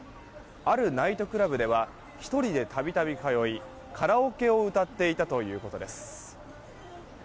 あるナイトクラブでは１人で度々通いカラオケを歌っていたということです。